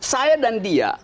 saya dan dia